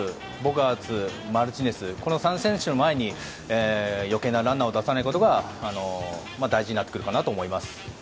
あとはマルチネスの前に余計なランナーを出さないことが大事になってくるかなと思います。